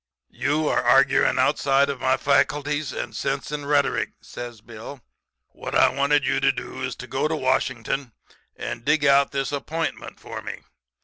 "'You are arguing outside of my faculties of sense and rhetoric,' says Bill. 'What I wanted you to do is to go to Washington and dig out this appointment for me.